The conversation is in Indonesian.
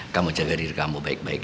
kamu jaga diri kamu baik baik